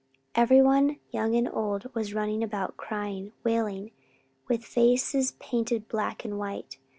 Everyone young and old was running about crying, wailing, with faces painted black and white.